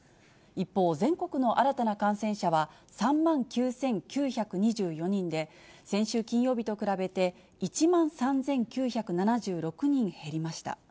一方、全国の新たな感染者は３万９９２４人で、先週金曜日と比べて１万３９７６人減りました。